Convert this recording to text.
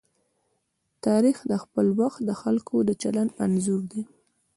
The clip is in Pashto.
تاریخ د خپل وخت د خلکو د چلند انځور دی.